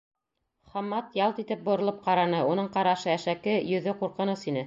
Хаммат ялт итеп боролоп ҡараны, уның ҡарашы әшәке, йөҙө ҡурҡыныс ине.